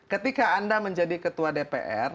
ketika anda menjadi ketua dpr